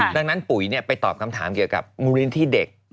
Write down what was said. ดังนั้นปุ๋ยไปตอบคำถามเกี่ยวกับมูลนิธิเด็ก